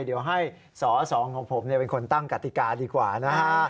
เดี๋ยวให้สอสองของผมเป็นคนตั้งกติกาดีกว่านะฮะ